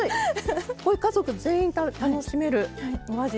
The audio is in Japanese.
これ家族全員楽しめるお味。